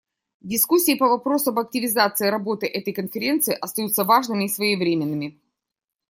Дискуссии по вопросу об активизации работы этой Конференции остаются важными и своевременными.